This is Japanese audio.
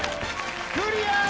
クリア！